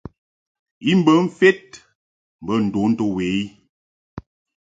I bə mfed mbə ndon to we i.